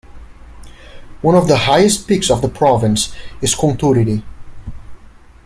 One of the highest peaks of the province is Kunturiri.